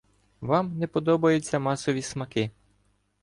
Вам не подобаються масові смаки